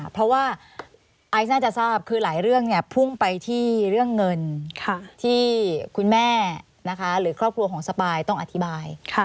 เพราะว่าไอซ์น่าจะทราบคือหลายเรื่องพุ่งไปที่เรื่องเงินที่คุณแม่หรือครอบครัวของสปายต้องอธิบาย